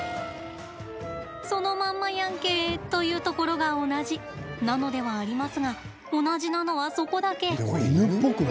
そのまんまやんけ！というところが同じなのではありますが同じなのは、そこだけ。